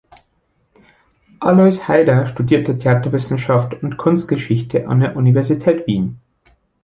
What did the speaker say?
Alois Haider studierte Theaterwissenschaft und Kunstgeschichte an der Universität Wien.